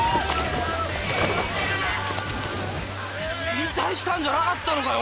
引退したんじゃなかったのかよ